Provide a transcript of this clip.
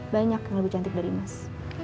banyak yang cantik dari mas